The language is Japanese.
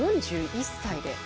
４１歳で。